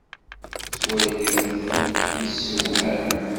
Ttwaliɣ-t yessewham.